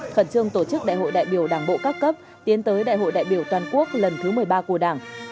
khẩn trương tổ chức đại hội đại biểu đảng bộ các cấp tiến tới đại hội đại biểu toàn quốc lần thứ một mươi ba của đảng